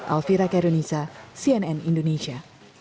alfira kedonisa cnn indonesia